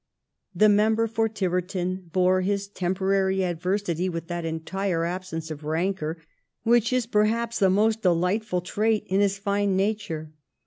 The member for Tiverton bore his temporary adversity with that entire absence of rancour which is perhaps the most delightAil trait in his fine nature.